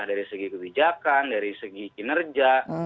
dari segi kebijakan dari segi kinerja